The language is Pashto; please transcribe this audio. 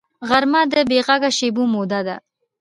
غرمه د بېغږه شېبو موده ده